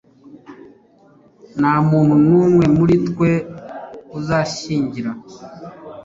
Nta muntu n umwe muri twe uzashyingira